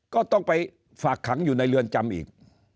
ก็ต้องไปฝากขังอยู่ในเรือนจำอีก